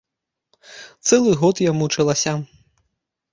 Цэлы год я мучылася.